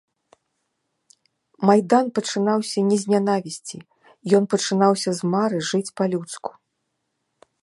Майдан пачынаўся не з нянавісці, ён пачынаўся з мары жыць па-людску.